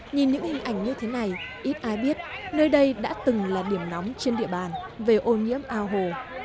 nhìn những hình ảnh như thế này ít ai biết nơi đây đã từng là điểm nóng trên địa bàn về ô nhiễm ao hồ